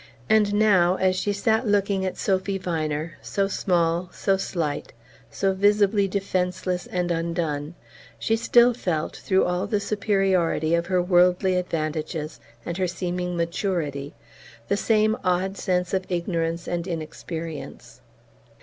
And now, as she sat looking at Sophy Viner, so small, so slight, so visibly defenceless and undone, she still felt, through all the superiority of her worldly advantages and her seeming maturity, the same odd sense of ignorance and inexperience.